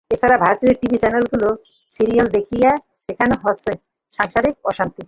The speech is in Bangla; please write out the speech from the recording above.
এ ছাড়া ভারতীয় টিভি চ্যানেলগুলোতে সিরিয়াল দেখিয়ে শেখানো হচ্ছে সাংসারিক অশান্তি।